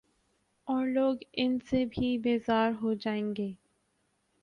اورلوگ ان سے بھی بیزار ہوجائیں گے۔